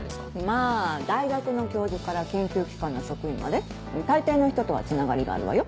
まぁ大学の教授から研究機関の職員まで大抵の人とはつながりがあるわよ。